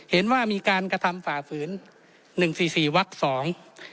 เห็นว่ามีการกระทำฝ่าฝืนหนึ่งสี่สี่วักสอง